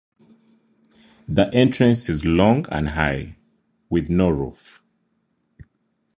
The entrance is long and high, with no roof.